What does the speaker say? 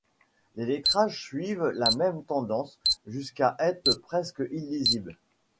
Les lettrages suivent la même tendance jusqu'à être presque illisibles.